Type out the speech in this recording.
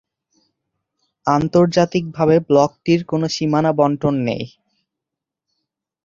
আন্তর্জাতিকভাবে ব্লকটির কোনো সীমানা বণ্টন নেই।